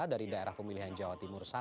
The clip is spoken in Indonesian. dari daerah pemilihan jawa timur